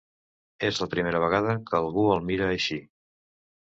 És la primera vegada que algú el mira així.